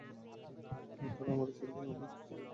আর তারা আমাদের সাথে সম্বন্ধ করবে।